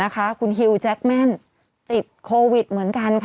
คุณฮิวแจ็คแม่นติดโควิดเหมือนกันค่ะ